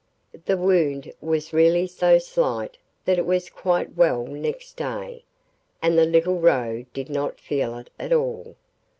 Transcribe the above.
The wound was really so slight that it was quite well next day, and the little Roe did not feel it at all.